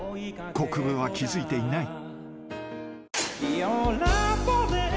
こくぶは気付いていない］